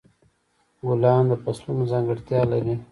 ګلان د فصلونو ځانګړتیا لري.